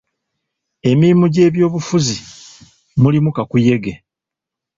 Emirimu gy'ebyobufuzi mulimu kakuyege.